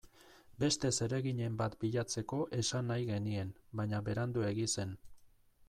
Beste zereginen bat bilatzeko esan nahi genien, baina Beranduegi zen.